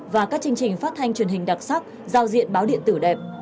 và các chương trình phát thanh truyền hình đặc sắc giao diện báo điện tử đẹp